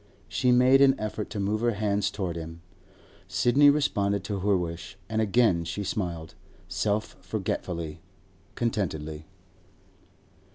She made an effort to move her hand towards him. Sidney responded to her wish, and again she smiled, self forgetfully, contentedly.